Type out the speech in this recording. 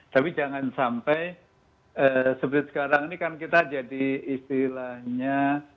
tapi jangan sampai seperti sekarang ini kan kita jadi istilahnya